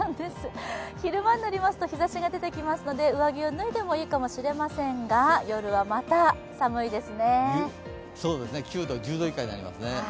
昼間になりますと日ざしが出てきますので上着を脱いでもいいかもしれませんが１０度以下になりますね。